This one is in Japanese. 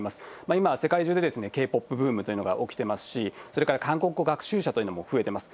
今、世界中でＫ−ＰＯＰブームというのが起きてますし、それから韓国語学習者というのも増えてます。